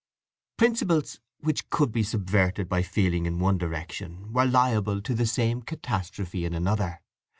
Principles which could be subverted by feeling in one direction were liable to the same catastrophe in another.